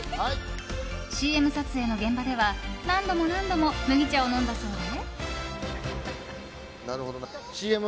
ＣＭ撮影の現場では何度も何度も麦茶を飲んだそうで。